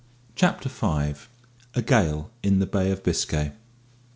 CHAPTER FIVE. A GALE IN THE BAY OF BISCAY.